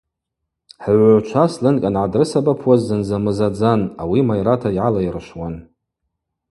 Хӏыгӏвгӏвчва сленг ангӏадрысабапуаз зынзамызадзан – ауи майрата йгӏалайрышвуан.